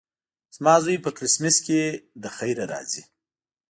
زما زوی په کرېسمس کې له خیره راځي.